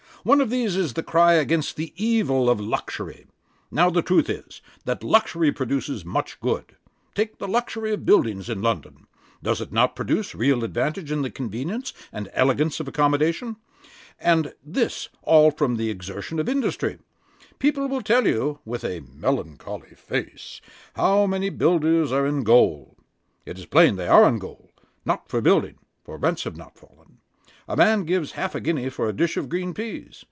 One of these is the cry against the evil of luxury. Now the truth is, that luxury produces much good. Take the luxury of buildings in London. Does it not produce real advantage in the conveniency and elegance of accommodation, and this all from the exertion of industry? People will tell you, with a melancholy face, how many builders are in gaol. It is plain they are in gaol, not for building; for rents are not fallen. A man gives half a guinea for a dish of green peas.